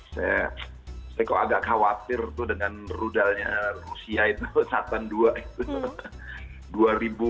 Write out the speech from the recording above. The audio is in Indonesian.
saya kok agak khawatir tuh dengan rudalnya rusia itu satan dua itu